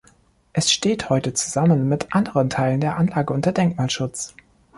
Es steht heute zusammen mit anderen Teilen der Anlage unter Denkmalschutz.